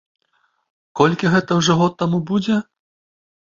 Колькі гэта ўжо год таму будзе?